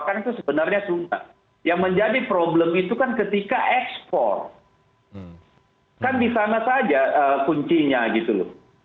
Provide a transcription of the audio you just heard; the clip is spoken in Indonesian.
kan itu sebenarnya yang menjadi problem itu kan ketika ekspor kan di sana saja kuncinya gitu loh